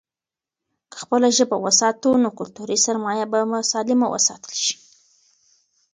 که خپله ژبه وساتو، نو کلتوري سرمايه به سالمه وساتل شي.